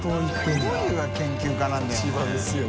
どういう研究家なんだよお前。